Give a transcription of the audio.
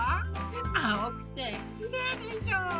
あおくてきれいでしょう？